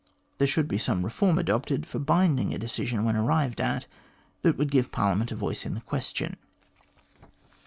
There should be some reform adopted for binding a decision when arrived at, and that would give Parliament a voice in the question.